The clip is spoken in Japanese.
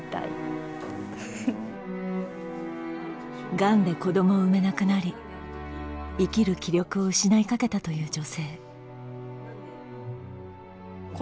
がんで子どもを産めなくなり生きる気力を失いかけたという女性。